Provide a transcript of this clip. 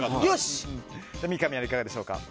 三上アナ、いかがでしょうか。